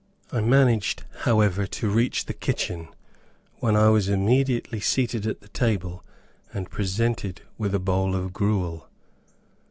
I managed, however, to reach the kitchen, when I was immediately seated at the table and presented with a bowl of gruel.